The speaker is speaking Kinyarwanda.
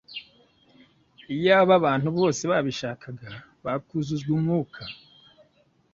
Iyaba abantu bose babishakaga, bakuzuzwa Mwuka.